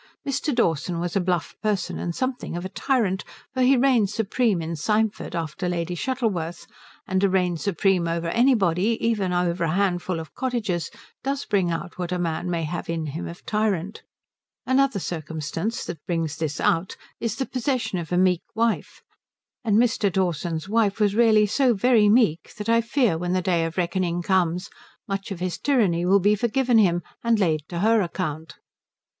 Mr. Dawson was a bluff person, and something of a tyrant, for he reigned supreme in Symford after Lady Shuttleworth, and to reign supreme over anybody, even over a handful of cottagers, does bring out what a man may have in him of tyrant. Another circumstance that brings this out is the possession of a meek wife; and Mr. Dawson's wife was really so very meek that I fear when the Day of Reckoning comes much of this tyranny will be forgiven him and laid to her account. Mr.